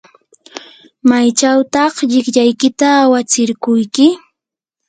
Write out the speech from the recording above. ¿maychawtaq llikllaykita awatsirquyki?